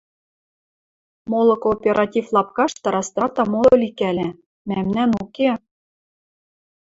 Молы кооператив лапкашты растрата моло ликӓлӓ, мӓмнӓн уке.